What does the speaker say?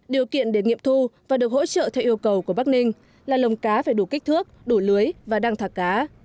điều kiện để nghiệm thu và được hỗ trợ theo yêu cầu của bắc ninh là lồng cá phải đủ kích thước đủ lưới và đang thả cá